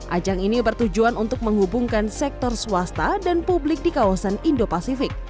ajang ini bertujuan untuk menghubungkan sektor swasta dan publik di kawasan indo pasifik